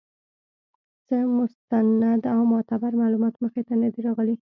څۀ مستند او معتبر معلومات مخې ته نۀ دي راغلي